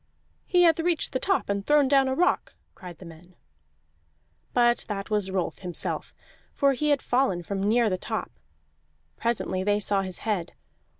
"He hath reached the top and thrown down a rock," cried the men. But that was Rolf himself, for he had fallen from near the top; presently they saw his head.